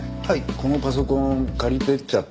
このパソコン借りていっちゃっていいですか？